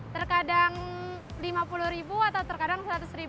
terkadang lima puluh atau terkadang seratus